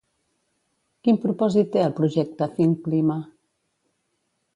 Quin propòsit té el projecte THINKClima?